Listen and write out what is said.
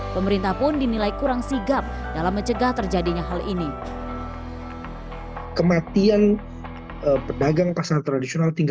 pemerintah pun dinilai kurang sigap dalam mencegah terjadinya hal ini